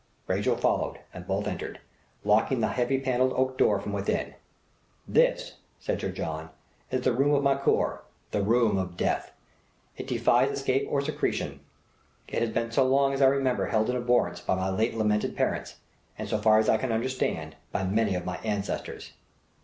Rachel followed, and both entered, locking the heavy panelled oak door from within. "This," said Sir John, "is the room of correction, the room of death. It defies escape or secretion. It has been so long as I remember held in abhorrence by my late lamented parents, and, so far as I can understand, by many of my ancestors.